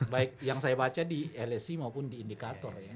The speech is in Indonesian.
baik yang saya baca di lsi maupun di indikator ya